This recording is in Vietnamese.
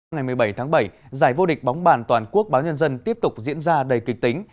ngày một mươi bảy tháng bảy giải vô địch bóng bàn toàn quốc báo nhân dân tiếp tục diễn ra đầy kịch tính